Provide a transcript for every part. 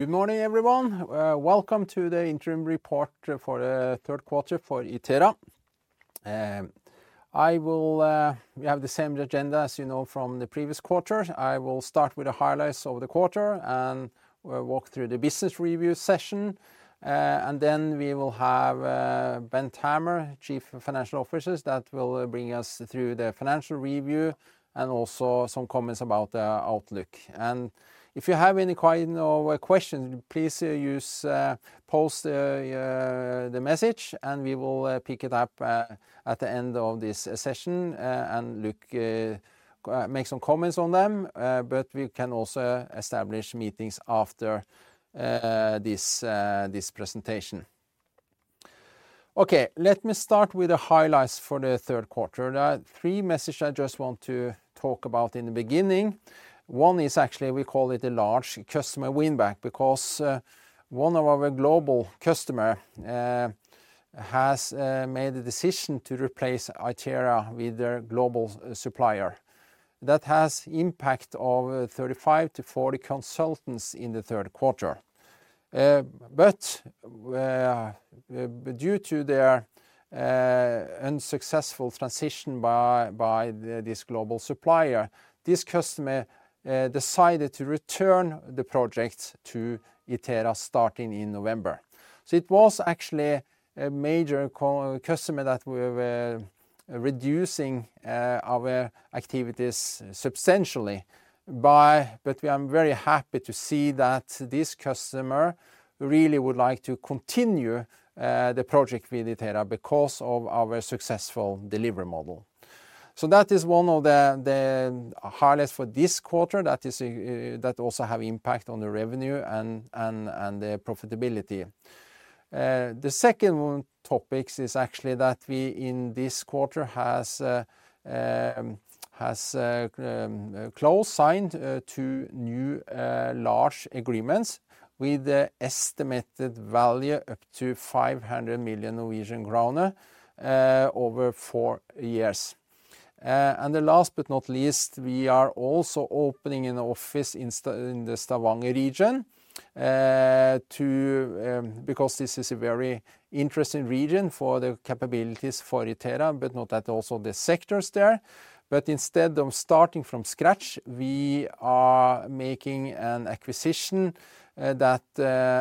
Good morning everyone. Welcome to the interim report for the third quarter for Itera. We have the same agenda, as you know from the previous quarter. I will start with the highlights of the quarter and walk through the business review session, and then we will have Bent Hammer, Chief Financial Officer that will bring us through the financial review and also some comments about the outlook, and if you have any questions, please post the message and we will pick it up at the end of this session and make some comments on them, but we can also establish meetings after this presentation. Okay, let me start with the highlights for the third quarter. Three messages I just want to talk about in the beginning. One is actually we call it a large customer win back because one of our global customers has made the decision to replace Itera with their global supplier. That has impact of 35-40 consultants in the third quarter. But due to their unsuccessful transition by this global supplier, this customer decided to return the project to Itera starting in November. So it was actually a major customer that we were reducing our activities substantially. But we are very happy to see that this customer really would like to continue the project with Itera because of our successful delivery model. So that is one of the highlights for this quarter that also have impact on the revenue and profitability. The second topic is actually that we in this quarter have closed and signed two new large agreements with the estimated value up to 500 million Norwegian krone over four years. The last but not least, we are also opening an office in the Stavanger region because this is a very interesting region for the capabilities for Itera, but not also the sectors there. But instead of starting from scratch, we are making an acquisition that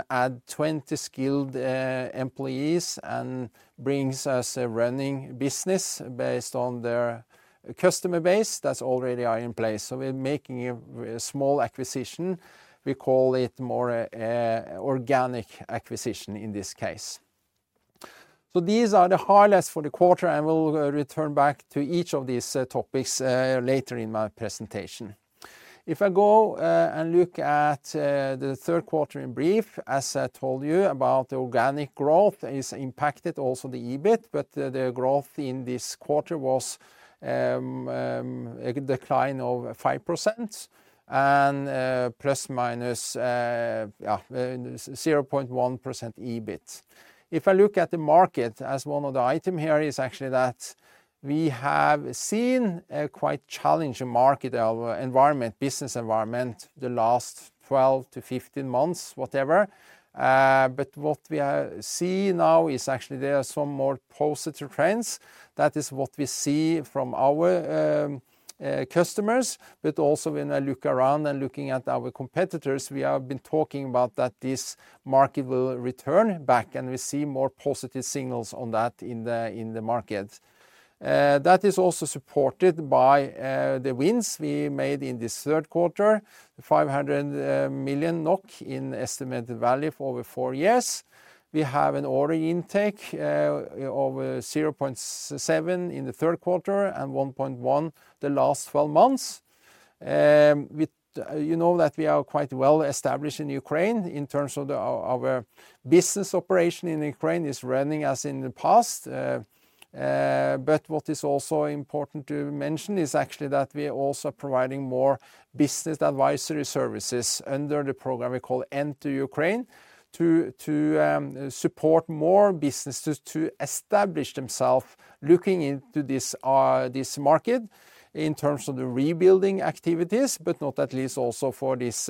add 20 skilled employees and brings us a running business based on their customer base that already are in place. So we're making a small acquisition, we call it more organic acquisition in this case. So these are the highlights for the quarter and we'll return back to each of these topics later in my presentation. If I go and look at the third quarter in brief, as I told you about the organic growth is impacted also the EBIT, but the growth in this quarter was a decline of 5% and plus minus 0.1% EBIT. If I look at the market as one of the item here is actually that we have seen a quite challenging market. Our business environment the last 12 to 15 months, whatever. But what we see now is actually there are some more positive trends. That is what we see from our customers. But also when I look around and looking at our competitors, we have been talking about that this market will return back. And we see more positive signals on that in the market. That is also supported by the wins we made in this third quarter. 500 million NOK in estimated value for over 4 years. We have an order intake of 0.7 in the third quarter and 1.1 the last 12 months. You know that we are quite well established in Ukraine in terms of our business operation in Ukraine is running as in the past. But what is also important to mention is actually that we are also providing more business advisory services under the program we call Enter Ukraine to support more businesses to establish themselves looking into this market in terms of the rebuilding activities, but not least also for this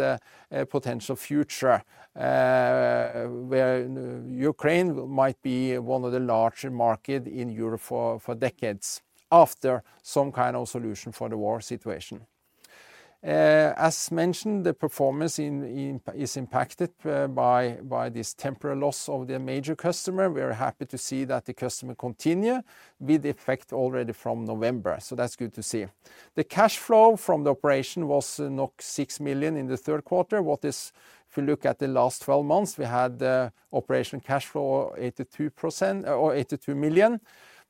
potential future where Ukraine might be one of the larger market in Europe for decades after some kind of solution for the war situation. As mentioned, the performance is impacted by this temporary loss of the major customer. We are happy to see that the customer continue with the effect already from November. So that's good to see. The cash flow from the operation was 6 million in the third quarter. If you look at the last 12 months, we had operational cash flow of 82 million,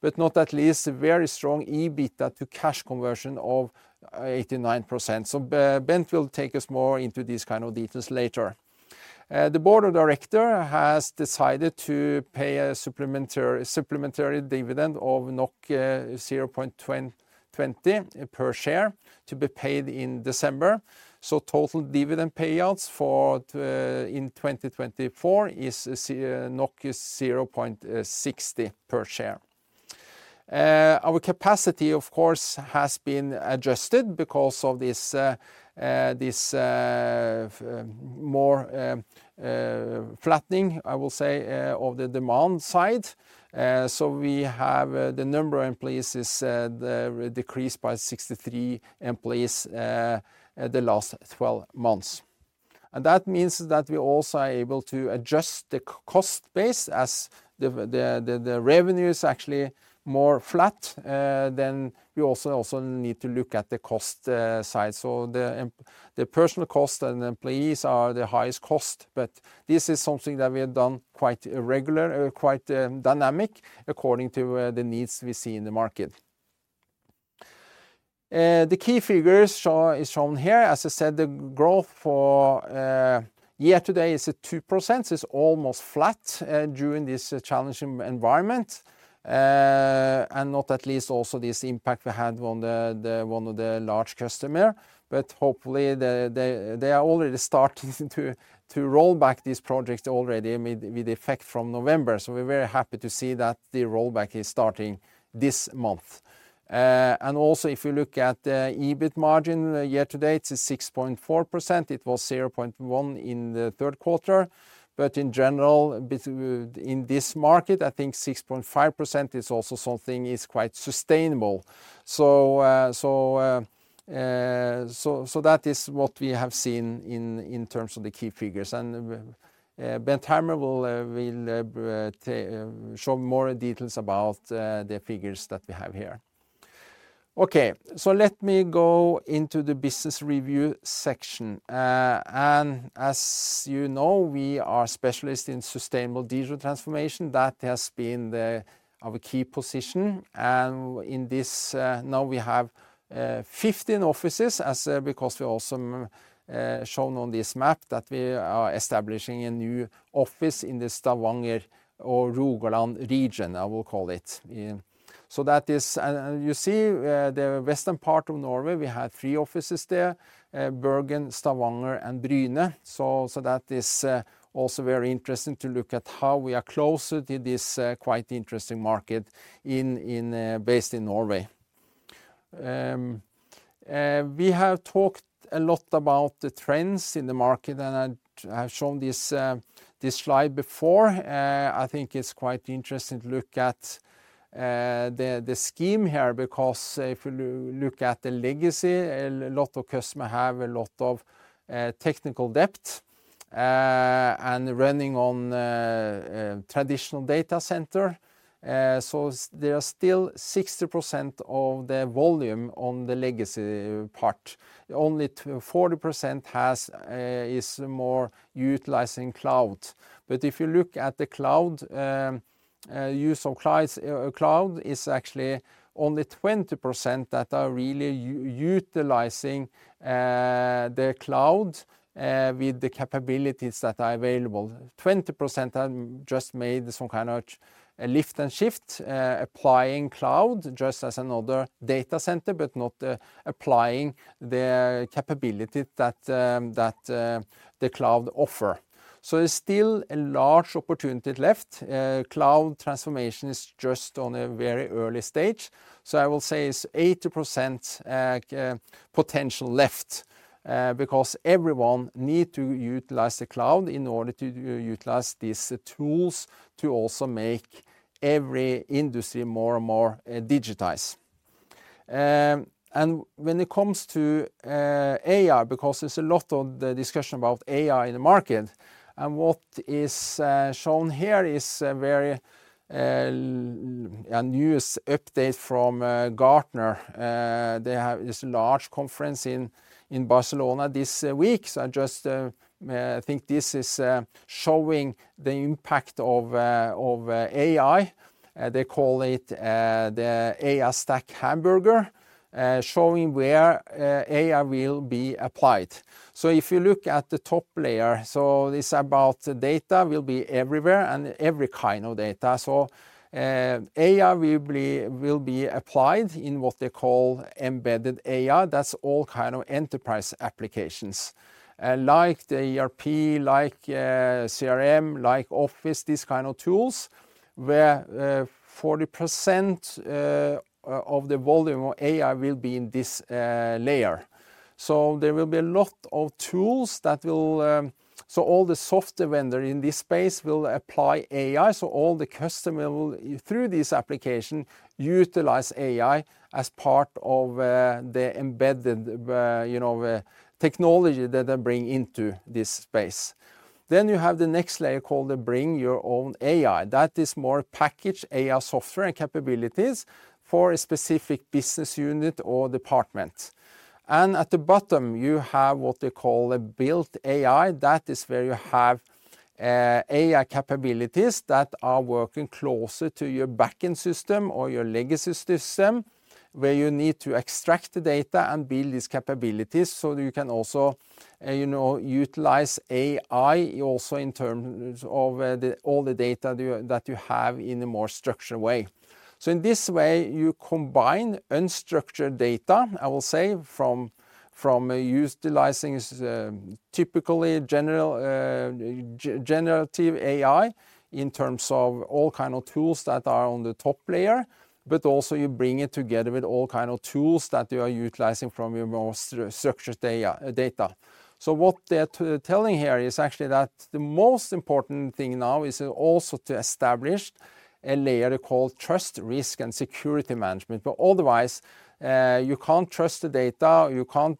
but not least very strong EBITDA to cash conversion of 89%. So Bent will take us more into these kind of details later. The board of directors has decided to pay a supplementary dividend of 0.20 per share to be paid in December. So total dividend payouts in 2024 is 0.60 per share. Our capacity of course has been adjusted because of this more flattening, I will say of the demand side. So we have the number of employees decreased by 63 employees the last 12 months. And that means that we also are able to adjust the cost base as the revenue is actually more flat. Then we also need to look at the cost side. So the personnel cost and employees are the highest cost. But this is something that we have done quite regular, quite dynamic according to the needs we see in the market. The key figures is shown here. As I said, the growth for year to date is at 2% is almost flat during this challenging environment and not at least also this impact we had on the large customer. But hopefully they are already starting to roll back these projects with effect from November. So we're very happy to see that the rollback is starting this month. And also if you look at the EBIT margin year to date, 6.4%. It was 0.1% in the third quarter. But in general in this market, I think 6.5% is also something that's quite sustainable. So, that is what we have seen in terms of the key figures, and Bent Hammer will show more details about the figures that we have here. Okay, so let me go into the business review section. As you know, we are specialists in sustainable digital transformation. That has been our key position. And in this now we have 15 offices as. Because we also shown on this map that we are establishing a new office in the Stavanger or Rogaland region I will call it. So that is, you see the western part of Norway. We have three offices there, Bergen, Stavanger and Bryne. So that is also very interesting to look at how we are closer to this quite interesting market based in Norway. We have talked a lot about the trends in the market and I have shown this slide before. I think it's quite interesting to look at the scheme here because if you look at the legacy, a lot of customers have a lot of technical debt and running on traditional data center. So there are still 60% of the volume on the legacy part. Only 40% is more utilizing cloud. But if you look at the cloud use of cloud, it's actually only 20% that are really utilizing the cloud with the capabilities that are available. 20% have just made some kind of lift and shift, applying cloud just as another data center, but not applying the capability that the cloud offer. So there's still a large opportunity left. Cloud transformation is just on a very early stage. I will say it's 80% potential left because everyone needs to utilize the cloud in order to utilize these tools to also make every industry more and more digitized. When it comes to AI, because there's a lot of discussion about AI in the market. What is shown here is a newest update from Gartner. They have this large conference in Barcelona this week. I just think this is showing the impact of AI. They call it the AI Stack Hamburger, showing where AI will be applied. If you look at the top layer, so this about data will be everywhere and every kind of data. AI will be applied in what they call Embedded AI. That's all kind of enterprise applications like the ERP, like CRM, like Office, these kind of tools where 40% of the volume of AI will be in this layer. So there will be a lot of tools that will. So all the software vendor in this space will apply AI. So all the customer through this application utilize AI as part of the embedded, you know, technology that they bring into this space, then you have the next layer called the bring your own AI that is more packaged AI software capabilities for a specific business unit or department, and at the bottom you have what they call a built AI. That is where you have AI capabilities that are working closer to your backend system or your legacy system where you need to extract the data and build these capabilities. So you can also utilize AI in terms of all the data that you have in a more structured way. So in this way you combine unstructured data. I will say from utilizing typically generative AI in terms of all kind of tools that are on the top layer, but also you bring it together with all kind of tools that you are utilizing from your most structured data. So what they're telling here is actually that the most important thing now is also to establish a layer called trust, risk and security management. But otherwise you can't trust the data, you can't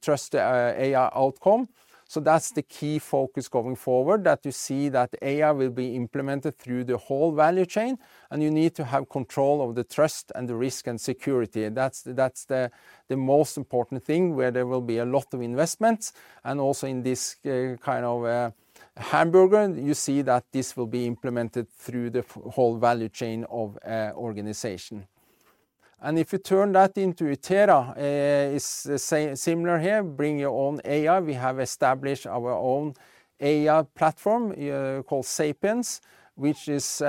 trust the AI outcome. So that's the key focus going forward that you see that AI will be implemented through the whole value chain and you need to have control of the trust and the risk and security. That's the most important thing where there will be a lot of investments. And also in this kind of hamburger, you see that this will be implemented through the whole value chain of organization. And if you turn that into Itera, it's similar here. Bring your own AI. We have established our own AI platform called Sapiens, which is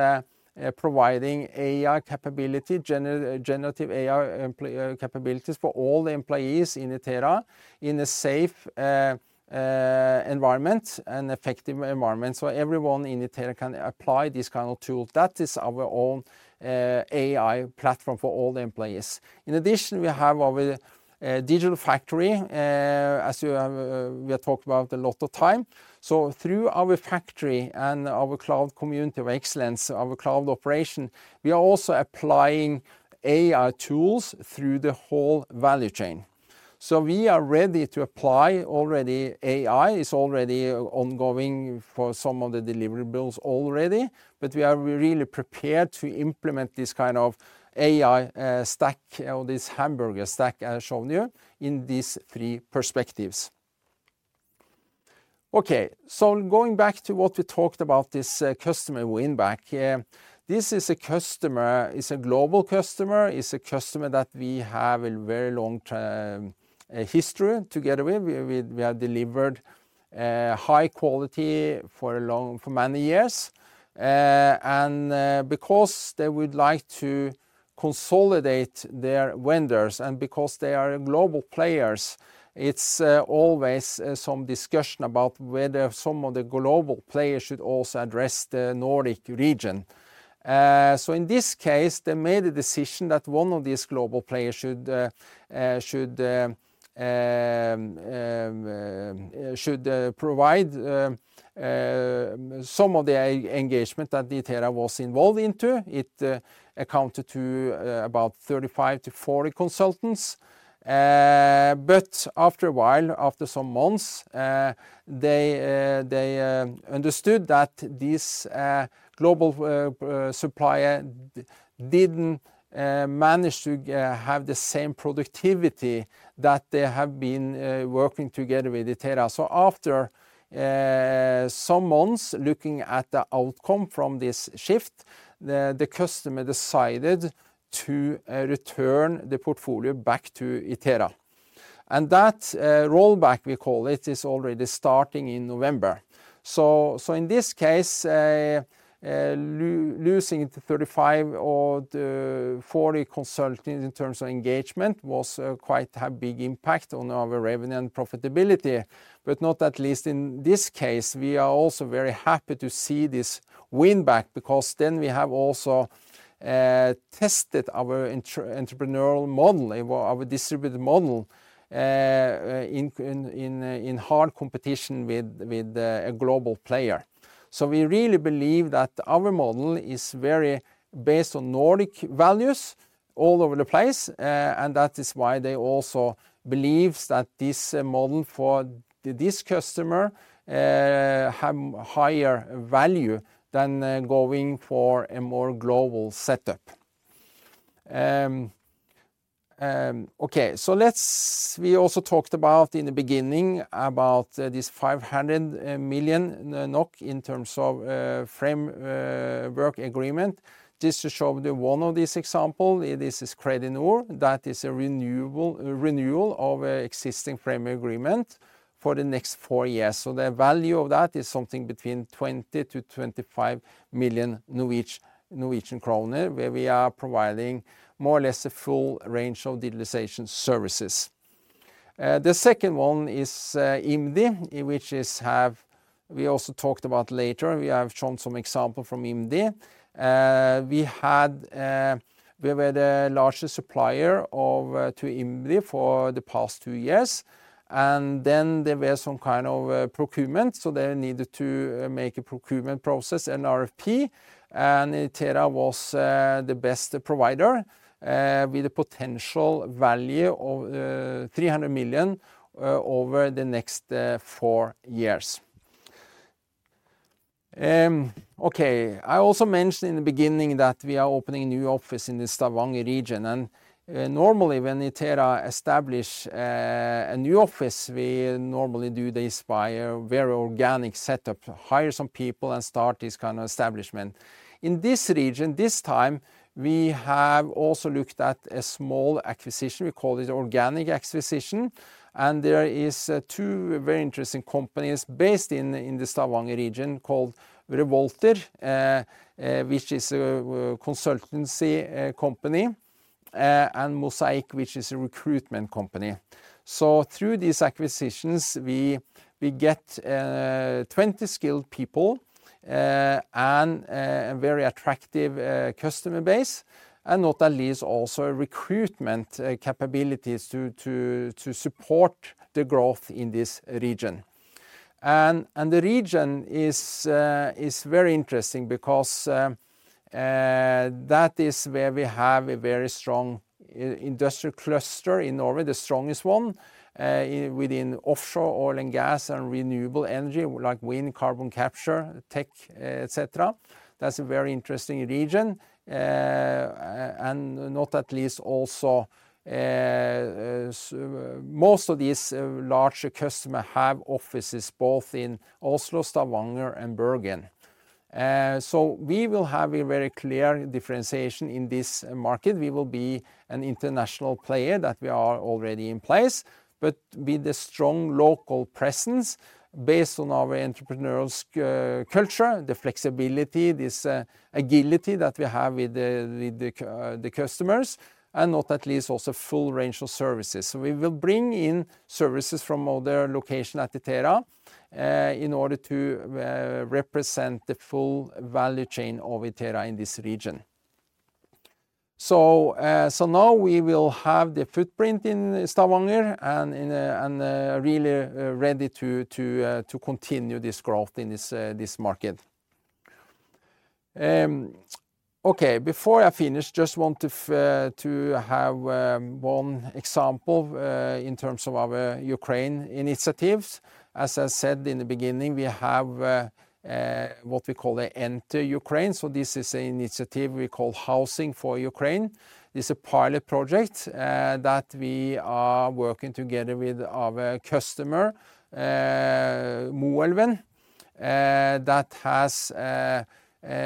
providing AI capability, generative AI capabilities for all the employees in Itera in a safe environment and effective environment. So everyone in Itera can apply these kind of tools. That is our own AI platform for all the employees. In addition, we have our digital factory as we talked about a lot of time. So through our factory and our cloud community of excellence, our cloud operation, we are also applying AI tools through the whole value chain. So we are ready to apply already. AI is already ongoing for some of the deliverables already, but we are really prepared to implement this kind of AI stack or this hamburger stack as shown here in these three perspectives. Okay, so going back to what we talked about, this customer win back, this is a customer, it's a global customer, is a customer that we have a very long history together with. We have delivered high quality for many years, and because they would like to consolidate their vendors and because they are global players, it's always some discussion about whether some of the global players should also address the Nordic region, so in this case they made a decision that one of these global players should provide some of the engagement that Itera was involved into. It accounted for about 35-40 consultants, but after a while after some months they understood that these global supplier didn't manage to have the same productivity that they have been working together with Itera. So after some months, looking at the outcome from this shift, the customer decided to return the portfolio back to Itera. And that rollback we call it is already starting in November. So in this case, losing 35 or 40 consultants in terms of engagement was quite a big impact on our revenue and profitability. But at least in this case we are also very happy to see this win back because then we have also tested our entrepreneurial model, our distributed. Model. In hard competition with a global player. So we really believe that our model is very based on Nordic values all over the place. And that is why they also believe that this model for this customer has higher value than going for a more global setup. Okay, so let's. We also talked about in the beginning about this 500 million NOK in terms of framework agreement. Just to show you one of these examples. This is Kredinor, that is a renewal of an existing framework agreement for the next four years. So the value of that is something between 20-25 million Norwegian kroner, where we are providing more or less a full range of digitalization services. The second one is IMDi, which we also talked about later. We have shown some examples from IMDi. We were the largest supplier to IMDi for the past two years. There were some kind of procurement. So they needed to make a procurement process. NRRFP and Itera was the best provider with a potential value of 300 million over the next four years. Okay. I also mentioned in the beginning that we are opening new office in the Stavanger region. And normally when Itera establishes a new office, we normally do this by a very organic setup, hire some people and start this kind of establishment in this region. This time we have also looked at a small acquisition, we call it organic acquisition. And there is two very interesting companies based in the Stavanger region called Revo, which is a consultancy company, and Mosaique, which is a recruitment company. So through these acquisitions we get 20 skilled people and a very attractive customer base. And not least also recruitment capabilities to support the growth in this region. The region is very interesting because that is where we have a very strong industrial cluster in Norway. The strongest one within offshore oil and gas and renewable energy like wind, carbon capture tech, etc. That's a very interesting region. And not least also most of these large customers have offices both in Oslo, Stavanger, and Bergen. So we will have a very clear differentiation in this market. We will be an international player that we are already in place but with a strong local presence based on our entrepreneurial culture, the flexibility, this agility that we have with the customers and not least also full range of services. So we will bring in services from other locations at Itera in order to represent the full value chain of Itera in this region. So now we will have the footprint in Stavanger and really ready to continue this growth in this market. Okay, before I finish, just want to have one example in terms of our Ukraine initiatives. As I said in the beginning, we have what we call the Enter Ukraine. So this is an initiative we call Housing for Ukraine. This is a pilot project that we are working together with our customer that has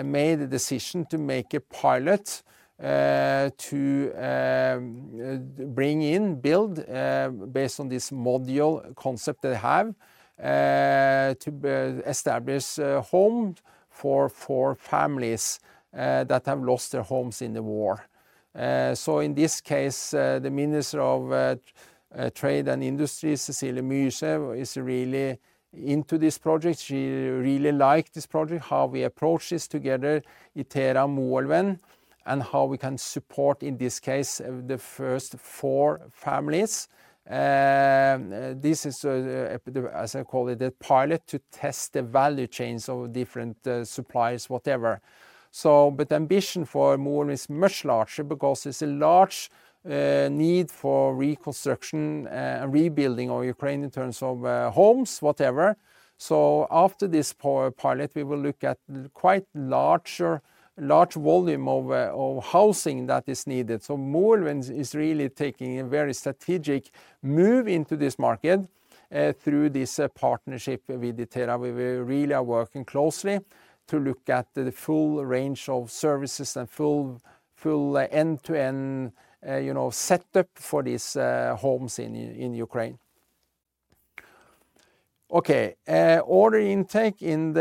made a decision to make a pilot to bring in build based on this module concept. They have to establish home for families that have lost their homes in the war. So in this case the Minister of Trade and Industry, Cecilie Myrseth, is really into this project. She really liked this project. How we approach this together, Itera, Moelven, and how we can support in this case the first four families. This is, as I call it, a pilot to test the value chains of different suppliers, whatever. But the ambition for Moelven is much larger because it's a large need for reconstruction and rebuilding of Ukraine in terms of homes, whatever. So after this pilot we will look at quite large volume of housing that is needed. So Moelven is really taking a very strategic move into this market through this partnership with Itera. We really are working closely to look at the full range of services and full end to end, you know, setup for these homes in Ukraine. Okay. Order intake in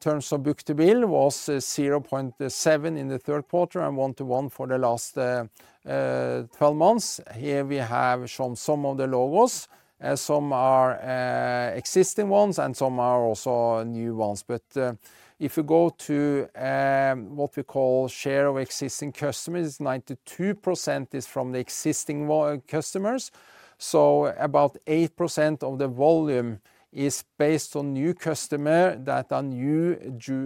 terms of book-to-bill was 0.7 in the third quarter and 1-1 for the last 12 months. Here we have shown some of the logos, some are existing ones and some are also new ones. But if you go to what we call share of existing customers, 92% is from the existing customers. So about 8% of the volume is based on new customer that are new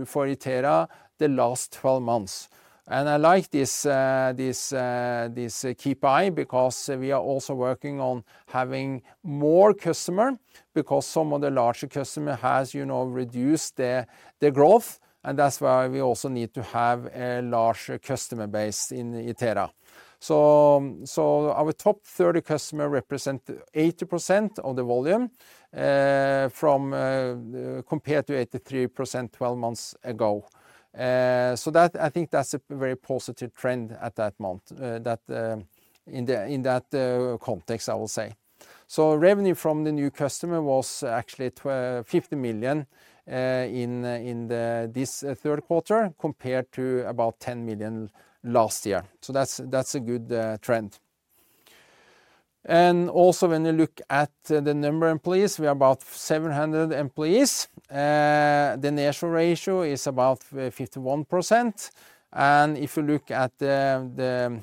for Itera the last 12 months. And I like this KPI because we are also working on having more customer because some of the larger customer has reduced their growth. And that's why we also need to have a larger customer base in Itera. So our top 30 customers represent 80% of the volume compared to 83% 12 months ago. So I think that's a very positive trend at that month that in that context I will say so. Revenue from the new customer was actually 50 million in this third quarter compared to about 10 million last year. So that's a good trend. Also, when you look at the number of employees, we have about 700 employees. The senior ratio is about 51%. If you look at the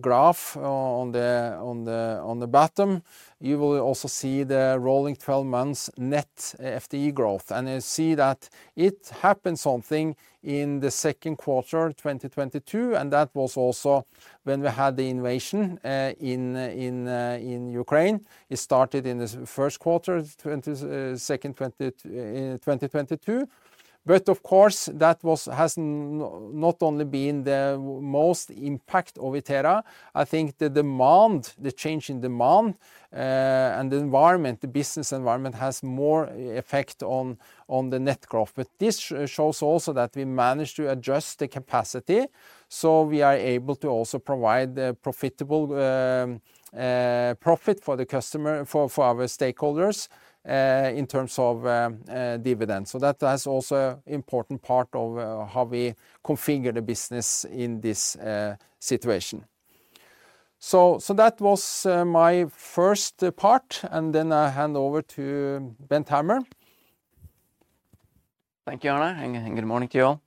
graph on the bottom, you will also see the rolling 12 months net FTE growth, and you see that something happened in the second quarter 2022, and that was also when we had the invasion in Ukraine. It started in the first quarter 2022. Of course, that has not only been the most impact of Itera. I think the demand, the change in demand and the environment, the business environment has more effect on the net growth. This shows also that we managed to adjust the capacity so we are able to also provide profitable profit for the customer, for our stakeholders in terms of dividend. So that is also important part of how we configure the business in this situation. So that was my first part and then I hand over to Bent Hammer. Thank you Arne and good morning to you all.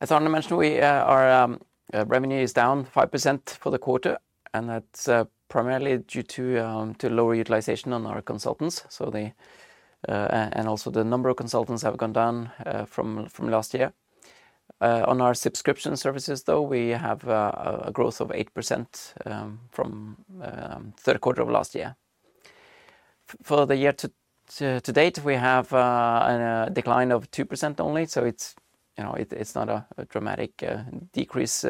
As Arne mentioned, our revenue is down 5% for the quarter and that's primarily due to lower utilization on our consultants and also the number of consultants have gone down from last year. On our subscription services though we have a growth of 8% from third quarter of last year. For the year to date we have a decline of 2% only. So it's not a dramatic decrease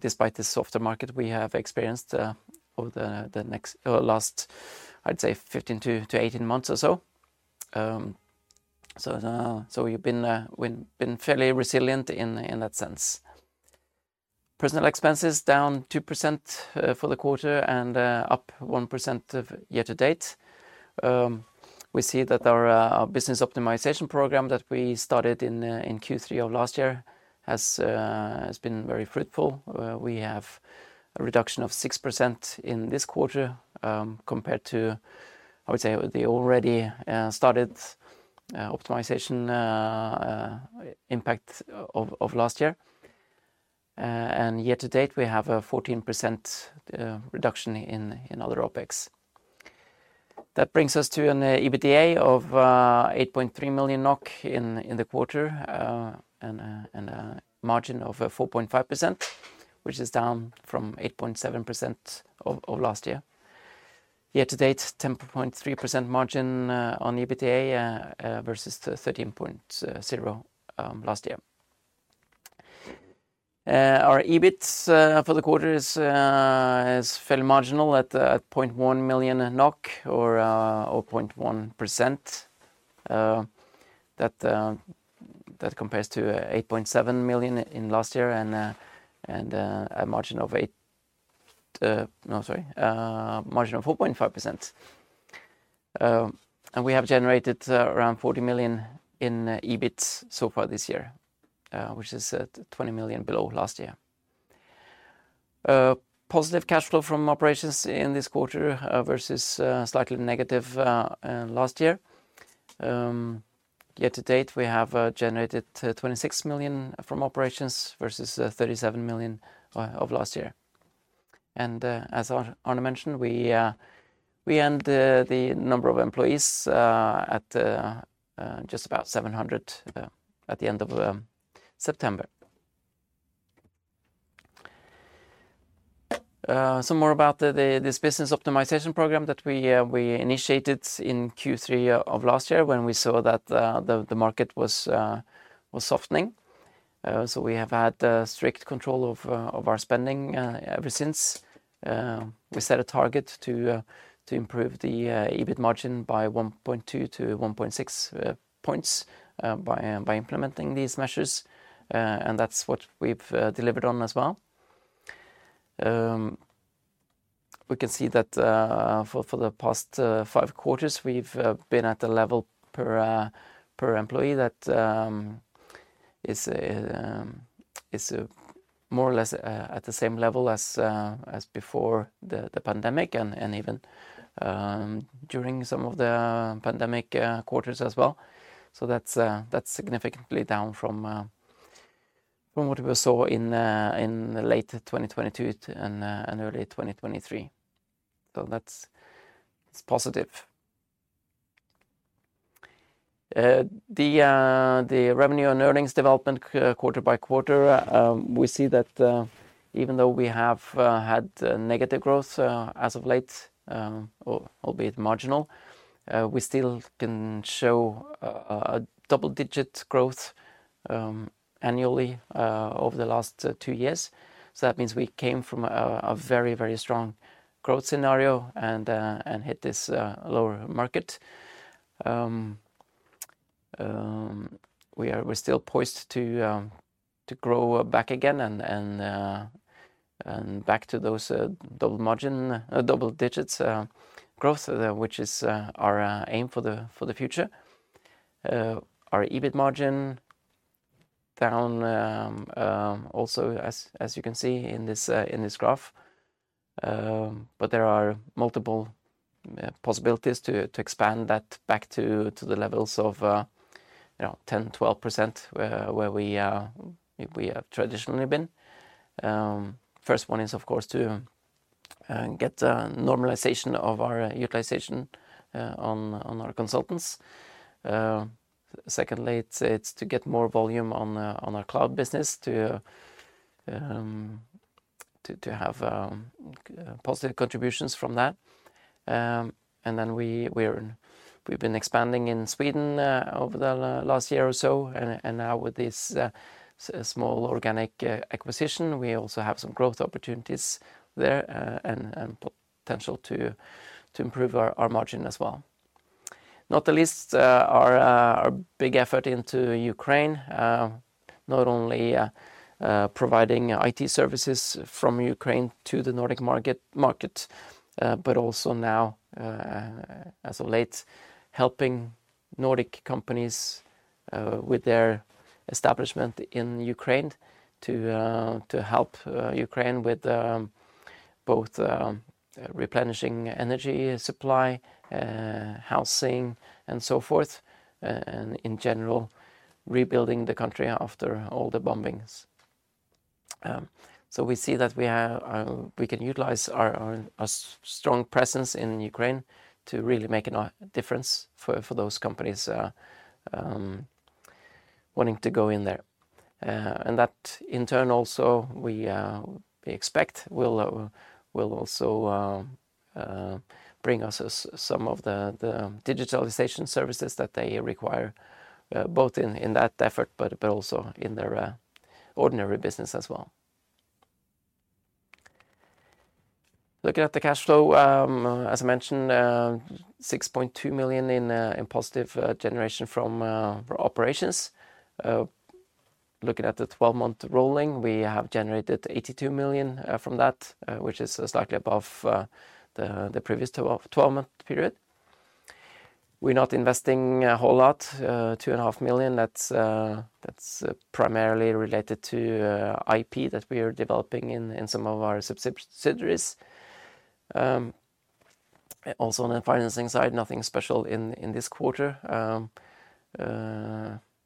despite the softer market we have experienced over the last, I'd say 15 to 18 months or so. We've been fairly resilient in that sense. Personnel expenses down 2% for the quarter and up 1% year to date. We see that our business optimization program that we started in Q3 of last year has been very fruitful. We have a reduction of 6% in this quarter compared to, I would say, the already started optimization impact of last year, and year to date we have a 14% reduction in other OpEx. That brings us to an EBITDA of 8.3 million NOK in the quarter and a margin of 4.5%, which is down from 8.7% of last year. Year to date, 10.3% margin on EBITDA versus 13.0% last year. Our EBIT for the quarter has fell marginal at 0.1 million NOK or 0.1%. That compares to 8.7 million in last year and a margin of 8, no, sorry, margin of 4.5%, and we have generated around 40 million in EBIT so far this year which is 20 million below last year. Positive cash flow from operations in this quarter versus slightly negative last year. Year to date, we have generated 26 million from operations versus 37 million of last year, and as Arne mentioned, we end the number of employees at just about 700 at the end of September. Some more about this business optimization program that we initiated in Q3 of last year when we saw that the market was softening, so we have had strict control of our spending ever since. We set a target to improve the EBIT margin by 1.2-1.6 points by implementing these measures, and that's what we've delivered on as well. We can see that for the past five quarters we've been at a level per employee that is more or less at the same level as before the pandemic and even during some of the pandemic quarters as well, so that's significantly down from what we saw in late 2022 and early 2023. So that's positive. The revenue and earnings development quarter by quarter we see that even though we have had negative growth as of late, albeit marginal, we still can show a double digit growth annually over the last two years. So that means we came from a very, very strong growth scenario and hit this lower market. We're still poised to grow back again and back to those double digits growth, which is our aim for the future. Our EBIT margin down also, as you can see in this graph. But there are multiple possibilities to expand that back to the levels of 10-12% where we have traditionally been. First one is of course to get normalization of our utilization on our consultants. Secondly, it's to get more volume on our cloud business to have positive contributions from that. Then we've been expanding in Sweden over the last year or so. Now with this small organic acquisition, we also have some growth opportunities there and potential to improve our margin as well. Not the least, our big effort into Ukraine, not only providing IT services from Ukraine to the Nordic market, but also now as of late, helping Nordic companies with their establishment in Ukraine to help Ukraine with both replenishing energy supply, housing and so forth, and in general rebuilding the country after all the bombings. We see that we can utilize our strong presence in Ukraine to really make a difference for those companies wanting to go in there. That in turn also we expect will also bring us some of the digitalization services that they require, both in that effort but also in their ordinary business as well. Looking at the cash flow, as I mentioned, 6.2 million in positive generation from operations. Looking at the 12-month rolling we have generated 82 million from that which is slightly above the previous 12-month period. We're not investing a whole lot 2.5 million. That's primarily related to IP that we are developing in some of our subsidiaries. Also on the financing side, nothing special in this quarter,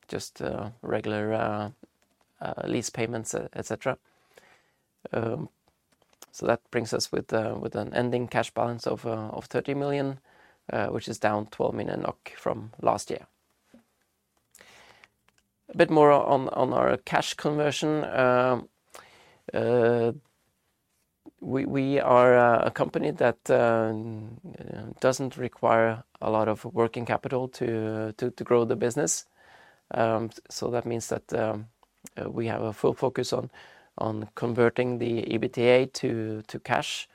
just regular lease payments, etc. So that brings us with an ending cash balance of 30 million, which is down 12 million NOK from last year. A bit more on our cash conversion. We are a company that doesn't require a lot of working capital to grow the business. So that means that we have a full focus on converting the EBITDA to cash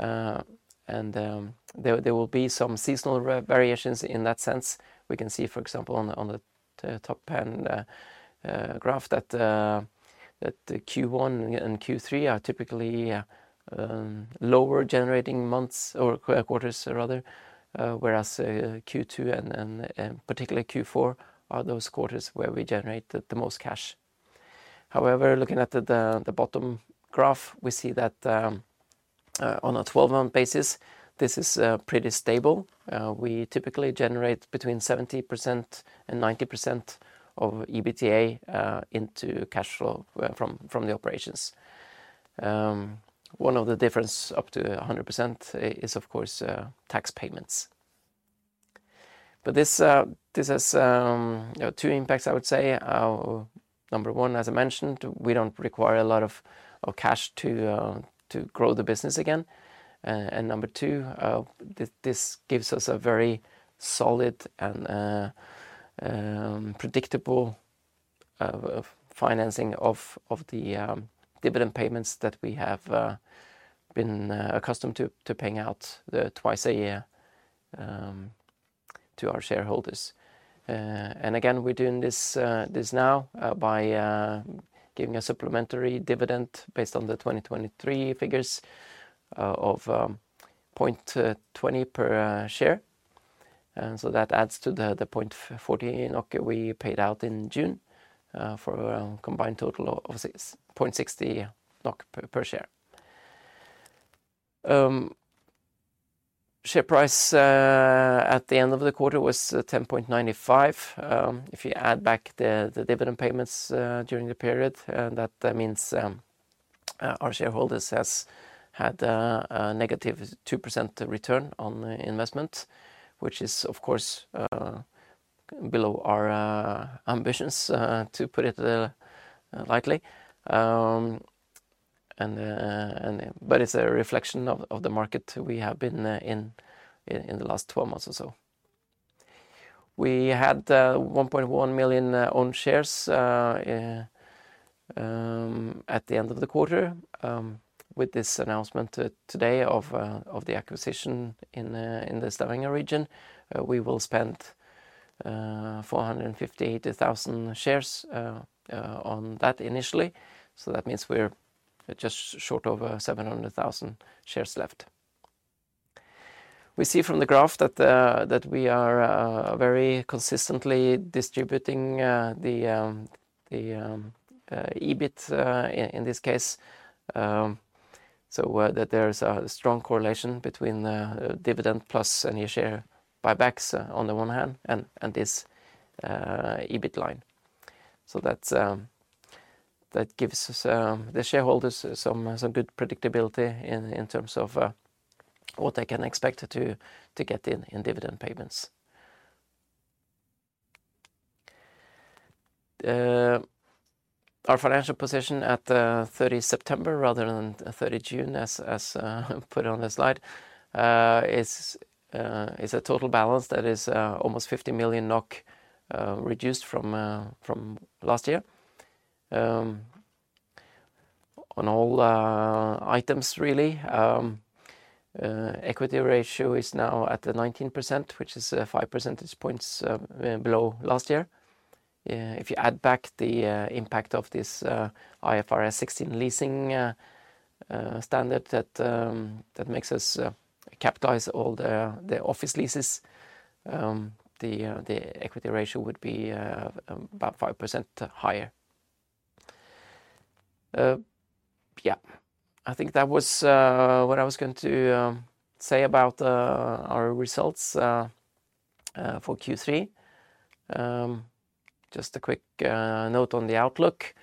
and there will be some seasonal variations in that sense. We can see, for example, on the top graph that Q1 and Q3 are typically lower generating months or quarters rather than whereas Q2 and particularly Q4 are those quarters where we generate the most cash. However, looking at the bottom graph, we see that on a 12-month basis this is pretty stable. We typically generate between 70% and 90% of EBITDA into cash flow from the operations. One of the differences up to 100% is of course tax payments, but this has two impacts, I would say. Number one, as I mentioned, we don't require a lot of cash to grow the business again, and number two, this gives us a very solid and predictable financing of the dividend payments that we have been accustomed to paying out twice a year to our shareholders. And again, we're doing this now by giving a supplementary dividend based on the 2023 figures of 0.20 per share. So that adds to the 0.14 we paid out in June for a combined total of 0.60 per share. Share price at the end of the quarter was 10.95. If you add back the dividend payments during the period, that means our shareholders has had a negative 2% return on investment, which is of course below our ambitions, to put it lightly. But it's a reflection of the market we have been in in the last 12 months or so. We had 1.1 million owned shares at the end of the quarter. With this announcement today of the acquisition in the Stavanger region, we will spend 458,000 shares on that initially. So that means we're just short over 700,000 shares left. We see from the graph that we are very consistently distributing the EBIT in this case, so that there is a strong correlation between dividend plus share buybacks on the one hand and this EBIT line. So that gives the shareholders some good predictability in terms of what they can expect to get in dividend payments. Our financial position at 30 September rather than 30 June, as put on the slide, is a total balance that is almost 50 million NOK reduced from last year on all items. Really. Equity ratio is now at 19% which is 5 percentage points below last year. If you add back the impact of this IFRS 16 leasing standard that makes us capitalize all the office leases, the equity ratio would be about 5% higher. Yeah, I think that was what I was going to say about our results for Q3. Just a quick note on the outlook.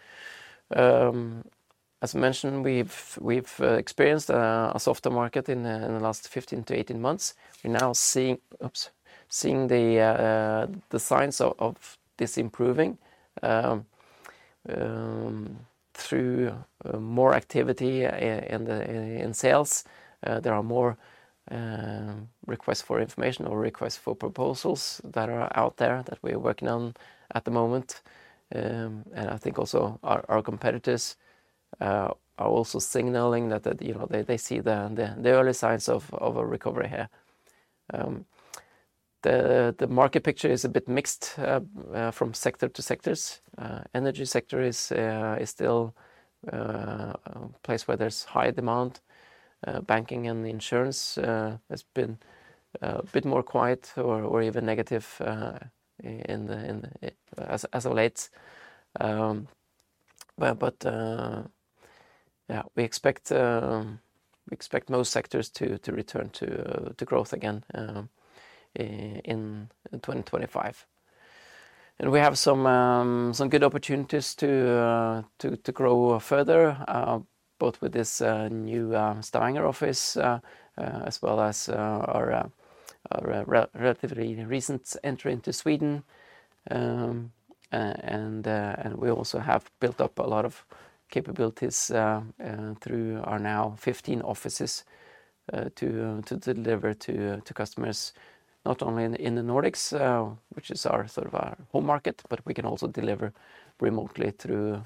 As mentioned, we've experienced a softer market in the last 15-18 months. We're now seeing the signs of this improving through more activity in sales. There are more requests for information or requests for proposals that are out there that we're working on at the moment. And I think also our competitors are also signaling that they see the early signs of a recovery here. The market picture is a bit mixed from sector to sectors. Energy sector is still a place where there's high demand. Banking and insurance has been a bit more quiet or even negative as of late. But we expect most sectors to return to growth again in 2025, and we have some good opportunities to grow further, both with this new Stavanger office as well as our relatively recent entry into Sweden. And we also have built up a lot of capabilities through our now 15 offices to deliver to customers not only in the Nordics, which is our sort of home market, but we can also deliver remotely to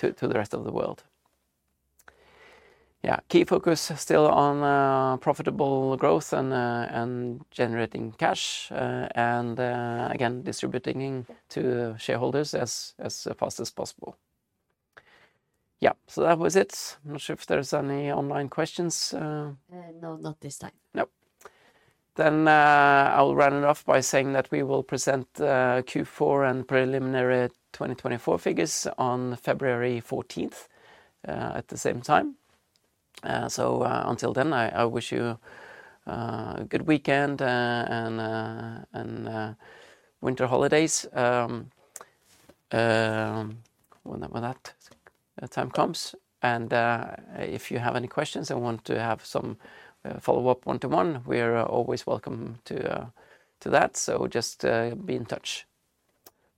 the rest of the world. Yeah, key focus still on profitable growth and generating cash and again distributing to shareholders as fast as possible. Yeah, so that was it. Not sure if there's any online questions. No, not this time, no. Then I will round it off by saying that we will present Q4 and preliminary 2024 figures on February 14th at the same time. So until then, I wish you a good weekend and winter holidays whenever that time comes. And if you have any questions and want to have some follow up one to one, we are always welcome to that. So just be in touch.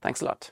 Thanks a lot.